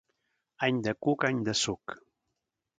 Any de cuc, any de suc.